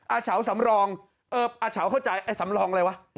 อาเฉาสำรองเอออาเฉาเข้าใจไอ้สำรองอะไรวะ